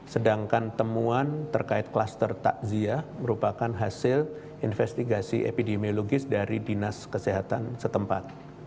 sedangkan temuan terkait kluster takziah merupakan hasil investigasi epidemiologis dari dinas kesehatan setempat